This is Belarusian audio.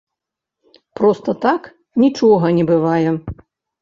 Проста так нічога не бывае.